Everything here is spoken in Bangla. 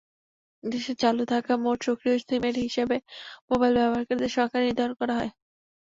দেশে চালু থাকা মোট সক্রিয় সিমের হিসেবে মোবাইল ব্যবহারকারীর সংখ্যা নির্ধারণ করা হয়।